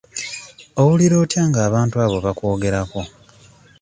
Owulira otya nga abantu abo bakwogerako?